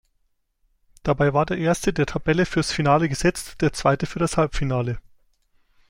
Dabei war der Erste der Tabelle fürs Finale gesetzt, der Zweite für das Halbfinale.